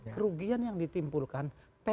kerugian yang ditimpulkan